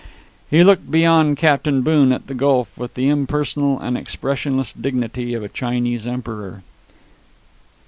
He looked beyond Captain Boone at the gulf with the impersonal and expressionless dignity of a Chinese emperor.